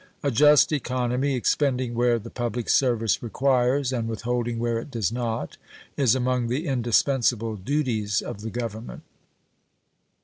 A just economy, expending where the public service requires and withholding where it does not, is among the indispensable duties of the Government.